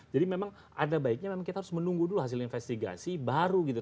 jadi memang ada baiknya kita harus menunggu dulu hasil investigasi baru gitu